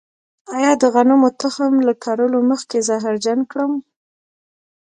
آیا د غنمو تخم له کرلو مخکې زهرجن کړم؟